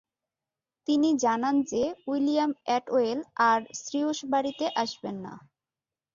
তিনি জানান যে, উইলিয়াম অ্যাটওয়েল আর শ্রিউসবারিতে আসবেন না।